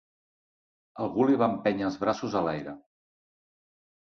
Algú li va empènyer els braços a l'aire.